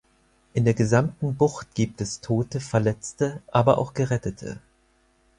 In der gesamten Bucht gibt es Tote, Verletzte, aber auch Gerettete.